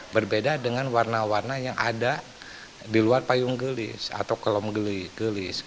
berbeda dengan warna warna yang ada di luar payung gelis atau kolom gelis